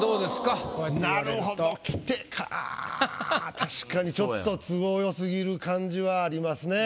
確かにちょっと都合良すぎる感じはありますね。